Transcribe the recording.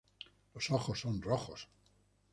Los ojos son rojos.